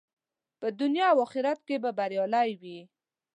په دنیا او آخرت کې به بریالی وي.